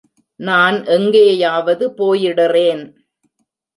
நான் எங்கேயாவது போயிடுறேன்.